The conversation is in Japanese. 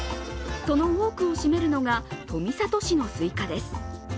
その多くを占めるのが富里市のすいかです。